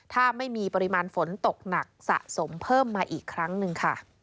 ถ้าไม่มีปริมาณฝนตกหนักสะสมเพิ่มมาอีกครั้งหนึ่งค่ะ